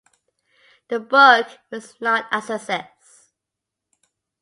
The book was not a success.